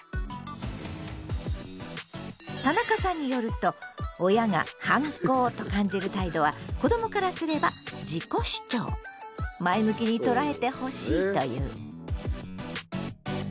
田中さんによると親が「反抗」と感じる態度は子どもからすれば前向きにとらえてほしいという。